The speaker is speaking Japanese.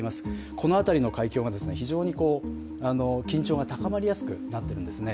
この辺りの海峡が非常に緊張が高まりやすくなっているんですね